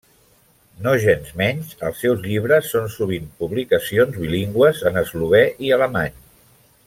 Nogensmenys, els seus llibres són sovint publicacions bilingües en eslovè i alemany.